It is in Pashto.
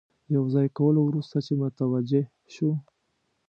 د یو ځای کولو وروسته چې متوجه شو.